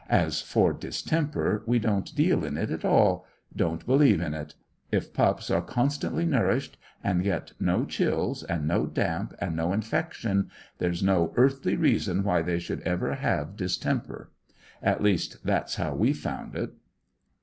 As for distemper, we don't deal in it at all; don't believe in it. If pups are consistently nourished, and get no chills and no damp and no infection, there's no earthly reason why they should ever have distemper. At least, that's how we've found it."